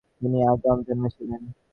তিনি আগাম জন্মেছিলেন।